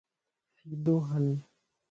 سيدو ھل